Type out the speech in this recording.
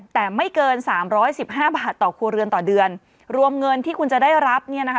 แต่ไม่เกินสามร้อยสิบห้าบาทต่อครัวเรือนต่อเดือนรวมเงินที่คุณจะได้รับเนี่ยนะคะ